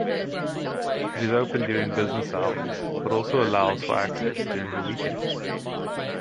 It is open during business hours but also allows for access during the weekends.